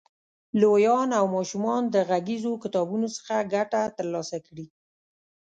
لویان او ماشومان د غږیزو کتابونو څخه ګټه تر لاسه کړي.